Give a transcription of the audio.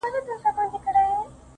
ستا د رخسار خبري ډيري ښې دي.